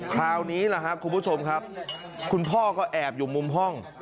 คราวนี้แหละครับคุณผู้ชมครับคุณพ่อก็แอบอยู่มุมห้อง